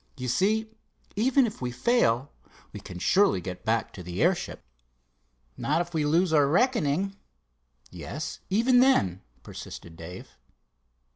You see, even if we fail, we can surely get back to the airship." "Not if we lose our reckoning." "Yes, even then," persisted Dave.